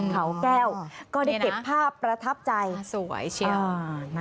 เขาแก้วก็ได้เก็บภาพประทับใจสวยเชียว